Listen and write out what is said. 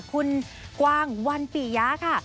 คุณกวางวันปียะค่ะ